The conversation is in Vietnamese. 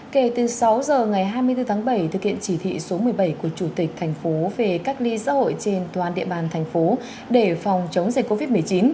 kể từ sáu giờ ngày hai mươi bốn tháng bảy thực hiện chỉ thị số một mươi bảy của chủ tịch thành phố về cách ly xã hội trên toàn địa bàn thành phố để phòng chống dịch covid một mươi chín